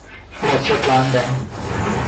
What's your plan, then?